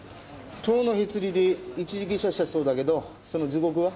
塔のへつりで一時下車したそうだけどその時刻は？